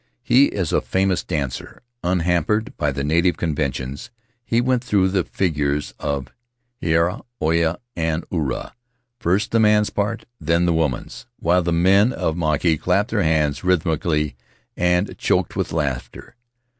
He is a famous dancer; unhampered by the native conventions, he went through the figures of heiva, oiea, and ura — first the man's part, then the woman's — while the men of Mauke clapped their hands rhythmically and choked with laughter.